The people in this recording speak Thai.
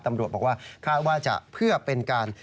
ตำรวจบอกว่าคาดว่าจะเพื่อเป็นการ